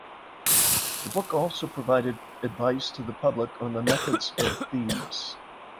The book also provided advice to the public on the methods of thieves.